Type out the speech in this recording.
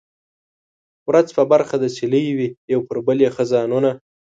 ورځ په برخه د سیلۍ وي یو پر بل یې خزانونه